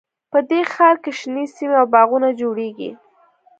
په دې ښار کې شنې سیمې او باغونه جوړیږي